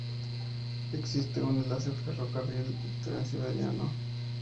Existe un enlace ferrocarril transiberiano.